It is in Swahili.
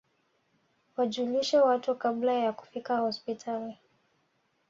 wajulishe watu kabla ya kufika hospitali